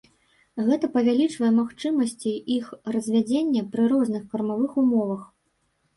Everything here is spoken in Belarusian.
Гэта павялічвае магчымасці іх развядзення пры розных кармавых умовах.